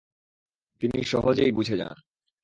তিনি সহজেই বুঝে যান।